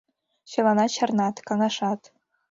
Чыланат чарнат, каҥашат.